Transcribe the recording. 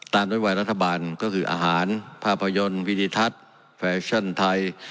นโยบายรัฐบาลก็คืออาหารภาพยนตร์วิดิทัศน์แฟชั่นไทย